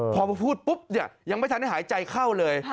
พอพูดปุ๊บยังไม่ทันให้หายใจเข้าเลย